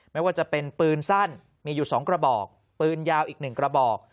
ไม่ว่าจะเป็นปืนสั้นมีอยู่๒กระบอกปืนยาวอีก๑กระบอก